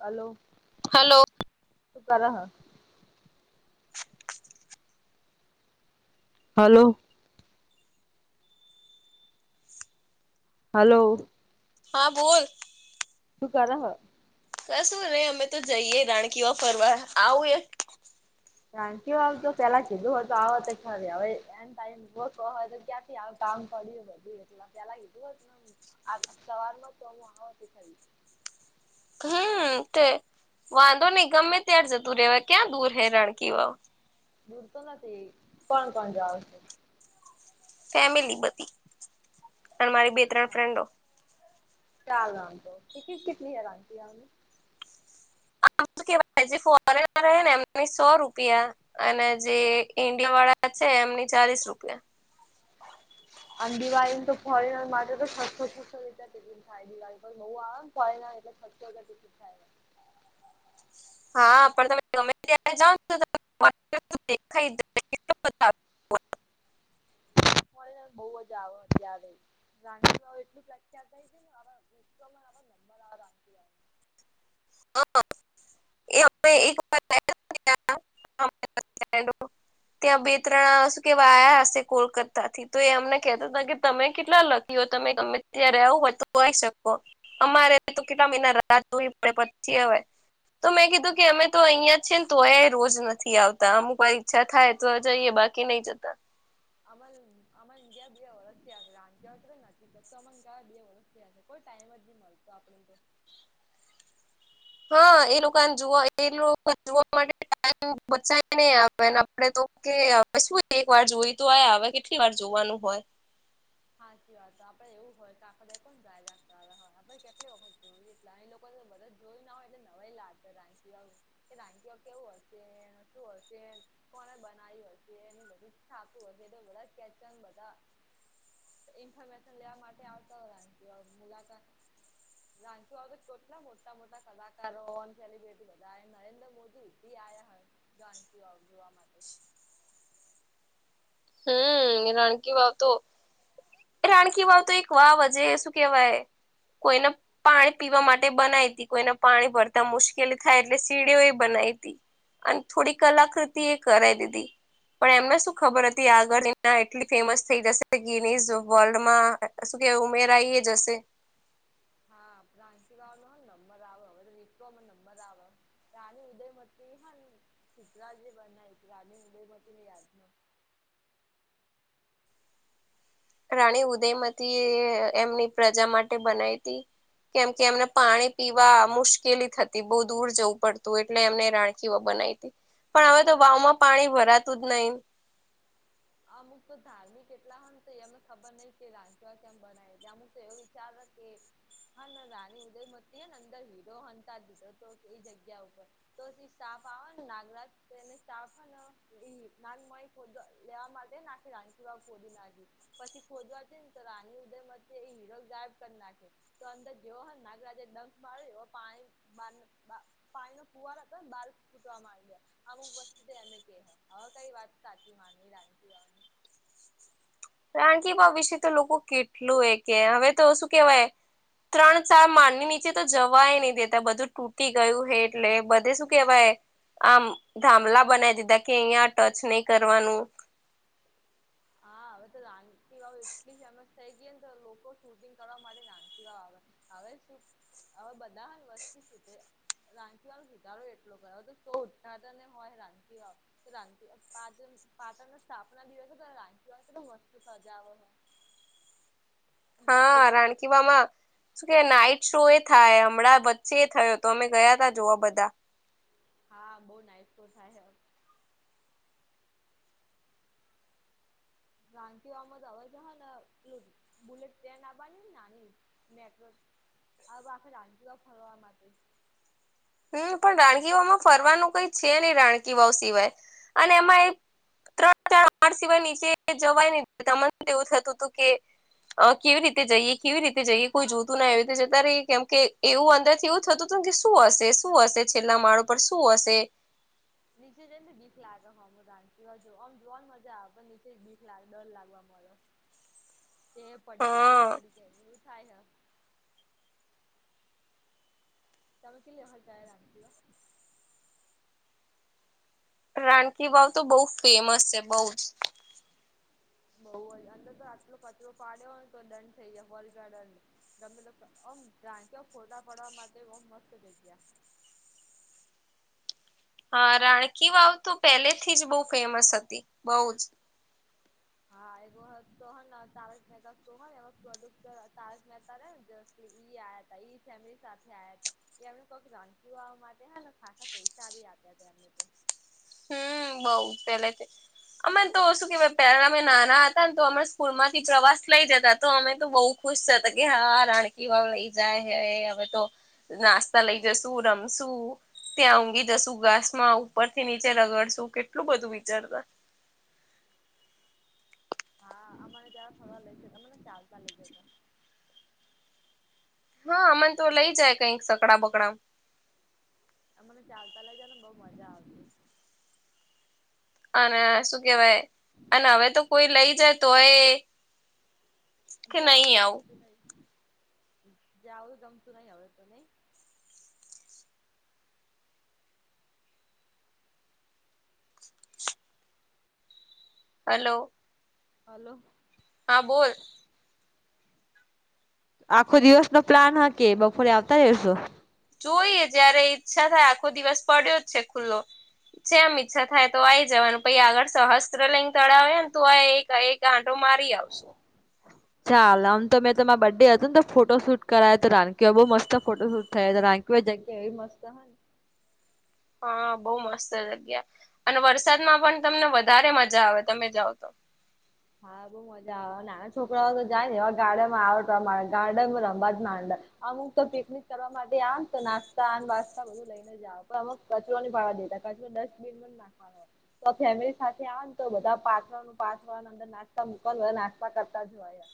Hello. Hello. શું કર હ. [inaudible] હલો. હલો. હા બોલ. સુું કર હ. [inaudible] ક શું નહી અમે તો જઈએે રાણકીવાવ ફરવા આવું એક જાનકી વાવ તો પેલા કીધું હો તો આવ તો ખરે હવે ટમ હોય તો ક્યાંથી આવ કામ કર્યું બધું એટલા પેલા કીધું હો હત સવાર માં તો આ થય. હમ તે વાંધો નહ ગમે ત્યાાર જતું રહેેવા ક્યાં દૂર હે રણકીવાવ દૂરતો નથી કોણ કોણ જાાવશે. ફેમિલી બધી અને મારી બે ત્રણ હા ફ્રેન્ડો. ચાલ રાતો ટિકિટ કેટલી હ રાતીમને આમ કેવા જે ફોરેનર હ ને એમને સો રૂપિયા અને જે ઇન્ડિયા વાળા છે એમની ચાલીસ રૂપિયા. અને દિવાળીન તો ફરે માથ તેાય દવા નિબસુવિધા હું આમ એટલે સતગિકટ થાય હા પણ તમે ગમે ત્યાં જાાવઓ ને તો દેખાઈ [inaudible] બઉ જ આવે અત્યારે ગણી તો એટલું પ્રખ્યાત થાય છે ને [inaudible] નંબર આ [inaudible] એક વા [inaudible] ત્યાં બે હા ત્રણ કેવા આયા હશે કોલકતા થી તો એ અમને કેહતા હતા કે તમે કેટલા લખી હો તમે ગમે ત્યાં આવ હોય તો આવીય શકો. અમારે તો કેટલા મહિના રાત જોવી પડે પછી હવે. તો મેં કીધું કે હા અમે તો અહિયાં જ છેએ ને તો એ રોજ નથી આવતા અમુક કોઈ ઈચ્છા થાય તો જઈએ બાકી કે નહી જતા. અમલ અમાર ગયા બે વરષથીયા રાક્યા વે નથી કરતો અ ગયા બે વરષ... છે, કોઈ ટાઈમ જ મળતો આપને તો... હા, એ લોકોને જોવા એ લોકો જોવા માટે ટમ બચાય નહી આવે... આપ તો કે હવે શું વાર તો આય હ કેટલી વાર જોવાનું હોય. સાાચી વાત આપડે એવું હોય કે આખા દ કોણ ગાય રાખતાળા હોય, આપડે કેટલી વખત જોયું. નાણી લોકો બધ જ જોયું ના હોય એટલે નવાય લા રાી આવ... કે નાનકીિઓ કેવું હશે શું હશે. કોને બનાવી હશે એ બધું થાપું હશે, તો બધા કેચન બધા... ઇન્ફોર્મેશન લેવા માટે આવતા હોયમ કેવા મુલાકાત... રાખ કેટલા મોટા મોટા કલાકારો સેલિબ્રિટી બધા નરેન્દ્ર મોદી એી આ હોય. ગણત વાવ જોવા માટે. હમ, રણકી વાવ તો... એ રાણકી વાવ તો એક વાવજે શું કેવાય કોઈને... પાણી પીવા માટે બનાઈ હતી કોઈને પાણી ભરતા મુશ્કેલી થાય, એટલે સીડીઓ એ બનાઈ હતીી. અને થોડી કલાકૃતિ એ કરે દીદી. પણ એમને શું ખબર હતી આગળ એટલી ફેમસ થઈ જશે, ગી વર્લ્ડમાં શું કે ઉમેરાઈ જ હશે. હા, પ્રાંસીરાાવ નો હ નંબર આવે, હવે તો વિશ્વમાં નંબર આવે. ઉદયમતી, હા ચિતલા જે બનાય છે, રાણી ઉદયમતીને જ... રાણી ઉદયમતી એમની પ્રજા માટે બનાવી હતી. કેમ કે એમને પાણી પીવા મુશ્કેલી થતી, બહુ દૂર જવું પડતું, એટલે એમને રાણખીઓ બનાવી. પણ હવે તો અમુક વાવ લોક માં પાણી ભરાતું જ નહીિ. અમુક તો ધાર્મિક એટલા હ તો અમને ખબર નહ કે રાચવા કેમ બનાવે ત અમુક તો એવો વિચાર કે... હા, ના રાની ઉદય મતી હ ને અંદર હીરો હતા, દીધો તો એઈ જગ્યા ઉપર. તોછી સાફ આવેને નાગરાત એને સાફને ના... લેવા માટે નાખી રાખી વા કોડી નાખી. પછી ખોજવાથી ને તો રાની ઉદય મ એ હીરો જાયબ કરના... તો અંદર જેવો નાગરાજા ડંસ માર એ પાણી બ પાણી નો ફુવાર હતો ને બાર ફૂટવામાં આવ્યો અમુક વસ્તુ એને ક હવે કઈ વાત સાચી માનવી રાણી... રાણકી બા વિશે તો લોકો કેટલું એ કે હવે તો શું કેવાય. ત્રણ ચાર માન ની નીચે તો જવાય નહી દેતા બધું. તૂટી ગયું હે એટલે બધે શું કેવાય. આમ ધાામલા બનાવી દીધા કે નહી કરવાનું. હા હવે તો લી વાાવ એટલી ફેમસ... થઈ ગયા ને તો લોકો શૂટિંગ કરવા માટે નાનકી આવે હવે શું. હવે બધા વસ્તુ છે તે... રાંખી વાળ સુધારો એટલો કર તો શ ઉદઘાદન હોય રાચી વાળ... રા પા પાટણ નો સ્થાપના દિવસ હતો તો રા એટ વસ્તુ સજાઓ હોય. હા પ્રોગ્રામ રાણકી મામા... શ કે નાઈટ શો એ થાય વચ્ચે એ થયો તો અમે ગયા જોવા બધા. હા બહુ નાઇટ તો થાય હ... રાકીમ તો હવે જ હ ને એટલું બુલેટ ટ્રેન આવની નેની. મે આખે માટે. હમ પણ રાણકીવામાં ફરવાનું છે રાણકીવા સિવાય અને એમાં... ત્રણણ સિવાય નીચે જવાય ત મને એવું થતું હતું, કે... કેવી રીતે જઈએ કેવી રીતે જઈએ કોઈ જોતું ના એવી રી જતા રહીએ કેમ કે એવું અંદર થયું. થતું હતું કે શું હશે? શું હશે? છેલ્લા માળો પર શું હશે? નીચે જોઇ ને બીક લાગે હું રાંધ હજમ જોવા ની મજા આવે પણ નીચે ભીખ લાગે ડર લાગવા માંડે. એ પડી ગયા એ હા પડી ગયા એવું થાય હ. તમે કેટલી વખત જાય રાનકીવા? રાણકી વાવ તો બઉુ ફેમસ છે બઉ જ બહ હોય અંદર તો આટલો કચરો પાડ્યો હોય ને તો દંડ થઈ જાય ફલગાર્ડંડ. તમે લોકો અહ રા્રાંચ ફોટા પાડવા માટે ઓમ મસ્ત જગ્યા. હા રાણકી વાવ તો પહેલે થી જ બહુ ફેમસ હતી બઉ જ. હા એક વહત તો તારક મહેતા શો હેને એમા પ્રોડુસર તારક મહેતા રે ને ઇ આયા હતા, ઇ ફેમિલી સાથે આયા હતા. કે એમને કોક ધનકીવા માટે હ ને ખાસા પૈસા બી આપ્યા છે એમને તો. હમ્મ બઉ પેલે અમે તો શું કેવાય પહેલા અમે નાના હતા ને તો અમે સ્કૂલ માંથી પ્રવાસ લઈ જતા તો અમે તો બઉ ખુશ થતા હા કે રાણ કી વાવ લઈ જાય કે હવે તો નાસ્તા લઈ જસુ રમશુ ત્યાં ઊંઘી જશુ ઘાસમાં ઉપર થી ની ચે રગડ શું કેટલું બધું વિચારતા હા અમારે ત્યારે ફરવા લઈ જતા મને ચાલતા લઇ જતા. હા અમને તો લઈ જાય કઈક સકડા બકડામાં અ મને ચાલતા લઈ જાય ને બઉ મજા આવતી અને શું કેવાય અને હવે તો કોઈ લઈ જાય તોય જાઉં એ આવું જમતું નહી, જાઓું જમતું નહી હવે તો નહી? હલો. હલો. હા બોલ. આખો દિવસ નો પ્લાન હ કે બપોરે આવતા જ રહેશો. જોઈએ જયારે ઈચ્છા થાય આખો દિવસ પડ્યો જ છે ખુલ્લો, જે એમ ઈચ્છા થાય તો આઈ જવાનું પહિ આગળ સહસ્ત્ર લિંગ તળાવ હે ને તો એક ત્યાં આટો મારી આવશું. [inaudible] ચાલ આમ તો મેં તમારા બર ડે હતો ને તો ફોટો શૂટ કરાય હતો રાનકીઓ બહુ મસ્ત ફોટો શૂટ થયા હતો રાન કોઈ જગ્યા એવી મસ્ત હે હા બહુ મસ્ત જગ્યા અને વરસાદમાં પણ તમને વધારે મજા આવે તમે જાઓ તો. હા બઉ મજા આવે નાના છોકરાઓ તો જાય ને એવા ગારડનમાં આવ ગાર્ડન રમવામાં માંંડ અમુક તો પિકનિક કરવા માટે આવે તો નાસ્તા વાસ્તા બધું લઈને જાવ પણ કચરો વાળવા દેતા કચરો ડસ્ટબિન પણ નાખ તો ફેમિલી સાથે આવે ને તો બધા પાછળ નું પાછવાના અર નાસ્તા મુક હો નાસ્તા કરતા જોયા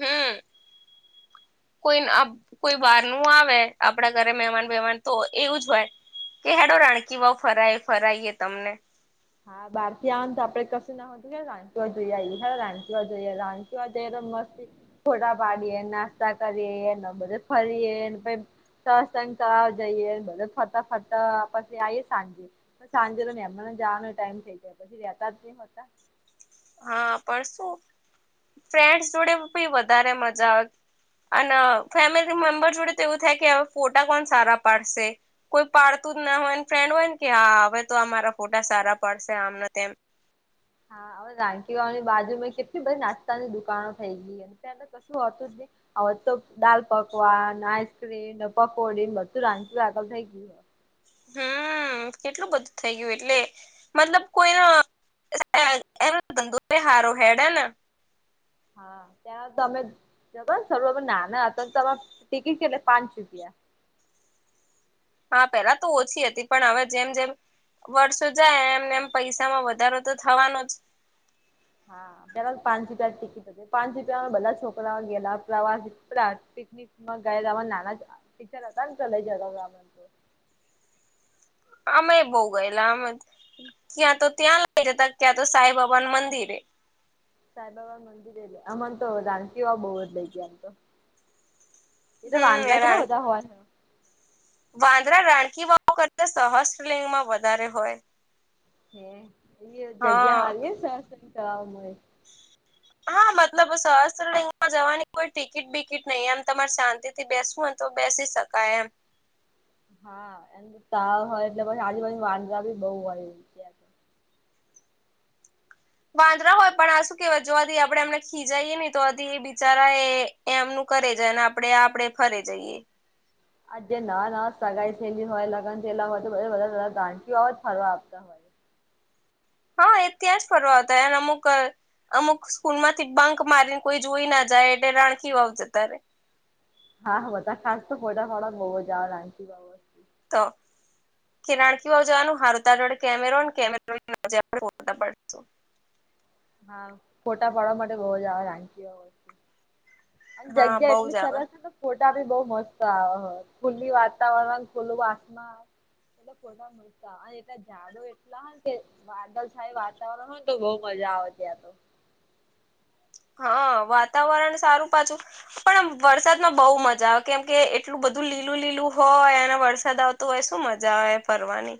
હમ કોઈ ન આ કોઈ બારનું આવે આપડા ઘરે મહેમાન-વહેમાન તો એવું જ હોય. કે હેડો રાણકી વાવ ફરાઈ ફરાઈએ તમને હા બાર થી આવન તો આપડે કશું ના રાણ કી વાવ જોઈ આઈ એ હેડો રાણ કી વાવ જોઈએ રાણ કી વાવ જઈએ તો મસ્તી ફોટા પાડીએ નાસ્તા કરીએને બધે ફરીએને પ સહસ્ત્રલિંગ તળાવ જઈએ બધે ફરતા ફરતા પછે આઈ એ સાંજે સાંજે તો મેમણાને જવાનો ટાઈમ થઈ જાય પછી રેતા ની હતા. હા પણ શું ફ્રેન્ડસ જોડે ભી વધારે મજા આવે. અન ફેમિલી મેમ્બર જોડે તો એવું થાય કે હવે ફોટા કોણ સારા પાડશે? કોઈ પાડતું જ ના હોયને ફ્રેન્ડ હોય ને ત્યાં હવે તો આ મારા ફોટા સારા પડશે આમને તેમ હા હવે રાણકીવાવ ની બાજુમાં કેટલી બધી નાસ્તાની દુકાનો થઈ ગઈ છે પેલા ત્યાં તો કશું હોતું જ નહી હવે તો દાલ પકવાન, આઈસ્ક્રીમ, ને પકોડી બધું રાણકીવાવ આગળ થઇ ગયું હમ્મ કેટલું બધું થઇ ગયું એટલે મતલબ કોઈ ના એના દંદો હારો હેડન હા ત્યાં તો અમે જ ને શરુ આત નાના હતા તો ટિકિટ કેટલે પાંચ હા પેલા તો ઓછી હતી પણ હવે જેમ-જેમ વર્ષો જાય એમ-એમ પૈસામાં વધારો તો થવાનો જ હા [unintelligible] પાંચ રૂપિયામાં બધા છોકરાઓ ગેલા પ્રવાસ પિકનિકમાં ગયેલા નાના છો. દંત લેય હતા ને ચલે જન અમે બોવ ગયેલા. આમ ક્યાં તો ત્યાં લઇ જતા. ક્યાં તો સાઈ બાબા ના મંદિરે સાંઈબાબા મંદિરે એ અમને તો, રાનકીવાવ બહુ જ લઇ ગયા તા હમ વાંદરા રા કેટલા બધાં હોય. વાંદરા રાણકીવાવ કરતા સહસ્લિંગમાં વધારે હોય. એ જગ્યા હા હારીયે કરવા મળે, હા મતલબ સહસ્ત્રિંગમાં જવાની કોઈ ટિકિટ બિકિટ નહી એમ તમારે શાંતિ થી બેસવું હોઈ તો બેસી શકાય એમ, હા એમ તા હોય એટલે પછી, આજુ-બાજુ વાંદરા બી બોવ હોય. ત્યાં તો વાંદરા હોય. પણ આ શું કેહેવાય જો આથી આપણે એમને ખીજાઈએ ને તો આથી એ બિચારા એ એમનું કરે જાય અને આપડે-આપડે ફરી જઈએ. આ જે નવા નવા સગાઈ થયેલી હોય લગ્ન થયેલા હોય [inaudible] ફરવા આવતા હોય હા એ ત્યાં જ ફરવા આવતા હોય ને અમુક, અમુક સ્કૂલ માંથી બંક મારીને કોઈ જોઈ ના જાય એટલે રાણકીવાવ જતા રે હા બધા ખાસ તો ફોટા ફોડાા બવા જાવ લાંચીાવ તો રાણકીવાવ જવાનું હારું તાર જોડે. કેમેરો કેમેરો ની જરૂર ન પડે. હા ફોટા પાડવા માટે બોજ આવે રાણકીવાવ હા જગ્યા બઉ એટલી જ આવે સરસ છે. ફોટા બી બઉ મસ્ત આવે. ખુલ્લી વાતાવરણ ખુલ્લું આસમાન [inaudible] એટલા ઝાડો એટલા હોયને વાદળછાયું વાતાવરણ હોઈ ને તો બોવ મજા આવે ત્યાં હા વાતાવરણ સારું પાછું. પણ આમ વરસાદ બહુ મજા આવે કેમ, કે એટલું બધું લીલું-લીલું હોય અને વરસાદ આવતો તો એ શું મજા આવે ફરવાની?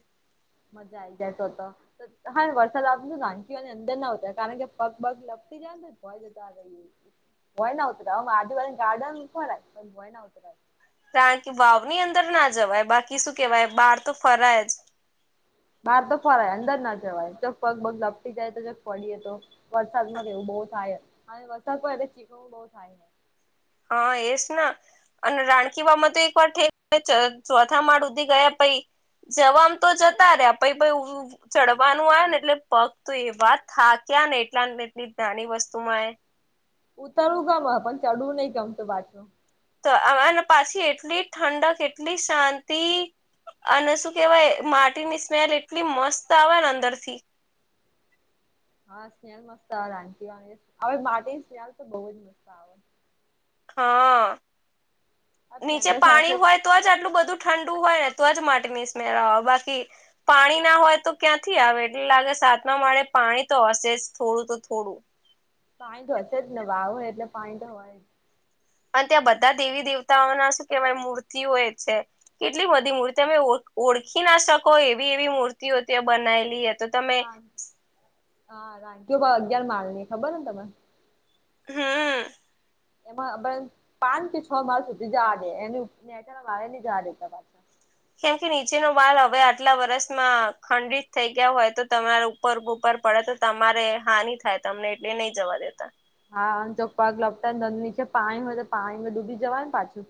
મજા આઈ જાય તો તો હા વરસાદ આવતો રાણકીવાવ ની અંદર ના હોતા કારણ કે પગ બગ લપતી જાય તોને ભોય જતા હ ભોંય ના ઉતરાય આદિવાસી ગાર્ડન છે ને ભય ના ઉતરાય રણકીવાવની અંદર ના જવાય બાકી શું કેવાય બહાર તો ફરાય જ. બાર તો ફરાય અંદર ના જવાય પગ બગ લપજાય તો વરસાદમાં થ એવું બહુ થાય અને વરસાદ પ એ ખીચું બહુ ખાય હ એ જ ના અને રાણખીવામાં તો એક વાર ઠેક ચોથા માળ હુધી ગયા પછી જવામ તો જતા રેય પછી ચડવાનું હો ને એટલે પગ તો એવા થાક્યા! ને એટલા ને એટલી નાની વસ્તુ માં એ ઉતરવું ગમે પણ ચડવું નહી ગમતું પાછું તો આવ ને અને પાછી એટલી ઠંડક એટલી શાંતિ અને શું કેવાય માટીની સ્મેલ એટલી મસ્ત આવે ને અંદર થી હા સ્મેલ મસ્ત આવે આ વા હવે માટી ની સ્મેલ તો બહુજ મસ્ત આવે હ આ નીચે ફ્રેન્ડો સાથે પાણી હોય તો જ આટલું બધું ઠંડુ હોય તો જ માટી ની સ્મેલ આવે બાકી પાણી ના હોય તો ક્યાંથી આવે એટલે લાગે સાતમા માળે પાણી તો હશે જ થોડું તો થોડું પાણી તો હશે જ ને વાવ હોય એટલે પાણી તો હોય જ. અન ત્યાં બધા દેવી દેવતાઓના શું કેવાય મૂર્તિઓ હોય છે. કેટલી બધી મૂર્તિ તમે ઓ ઓળખી ના શકો એવી એવી મૂર્તિઓ ત્યાં બનાયેલી તો તમે હા રા અગિયાર બાળની ખબર ને તમે. હમ. એમાં બ પાંચ કે છ માલ સુધી જાડ હે દે એને નેચ વાળ ની જાડે પાછ. કેમ કે નીચેનો માલ હવે આટલા વર્ષમાં ખંડિત થઈ ગયા હોય તો તમારુ ઉપર ઉપર પડે તો તમારે હાનિ થાય તમને એટલે નહી જવા દેતા હા ચોક પગ લપશે ને તો છે પાણી હોય તો પાણી ડૂબી જવાય ને પાછું.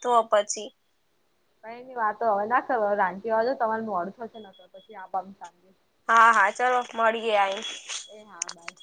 તો પછી. કઈ ની વાત તો હવે ના કરવે રાંચી વાજો તમારું મોડું થશે ન તો પછી આ [unintelligible] હા હા ચલો મળીએ આઈ એ હા ભાઈ